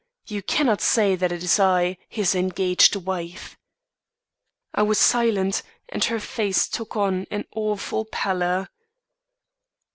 You cannot say that it is I, his engaged wife.' I was silent, and her face took on an awful pallor.